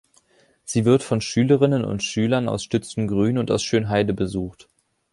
Sie wird von Schülerinnen und Schülern aus Stützengrün und aus Schönheide besucht.